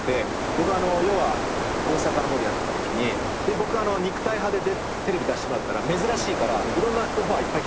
僕要は大阪の方でやってたときに僕肉体派でテレビ出してもらったら珍しいからいろんなオファーいっぱい来たんですよ。